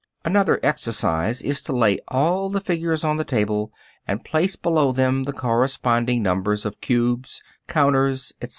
Another exercise is to lay all the figures on the table and place below them the corresponding number of cubes, counters, etc.